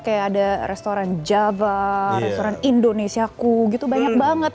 kayak ada restoran java restoran indonesiaku gitu banyak banget